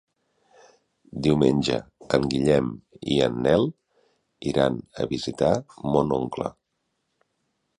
Diumenge en Guillem i en Nel iran a visitar mon oncle.